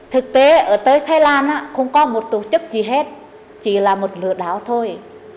thực tế tới thái lan không có một tổ chức gì hết chỉ là một lửa đáo thôi